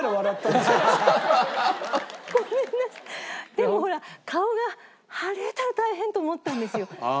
でもほら顔が腫れたら大変と思ったんですよ。